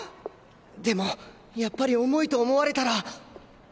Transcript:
でもやっぱり重いと思われたら